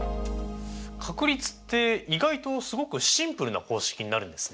確率って意外とすごくシンプルな公式になるんですね。